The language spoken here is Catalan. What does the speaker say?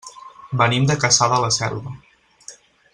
Venim de Cassà de la Selva.